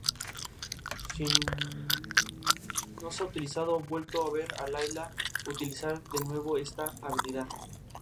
Genevieve de Bois, cerca de París.